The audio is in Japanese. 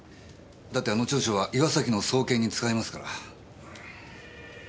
だってあの調書は岩崎の送検に使いますから。